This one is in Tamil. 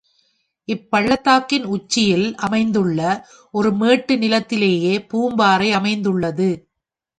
இப்பள்ளத் தாக்கின் உச்சியில் அமைந்துள்ள ஒரு மேட்டு நிலத்திலேயே பூம்பாறை அமைந்துள்ளது.